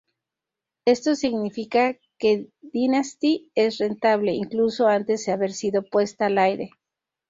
Esto significa que "Dynasty" es rentable incluso antes de haber sido puesta al aire".